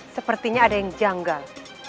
sepertinya ada yang janggal